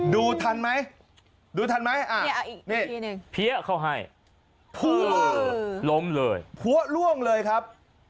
ดูทันไหมดูทันไหมอ่ะนี่เนี่ยเขาให้ล้มเลยหัวร่วงเลยครับ